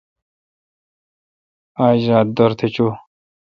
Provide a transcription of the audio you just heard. آج را دورتھ چوی۔